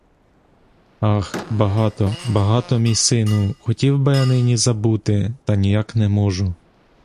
Ах, багато, багато, мій сину, хотів би я нині забути, та ніяк не можу.